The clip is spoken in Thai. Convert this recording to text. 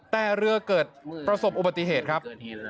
แต่เรือเกิดประสบอุบัติเหตุครับ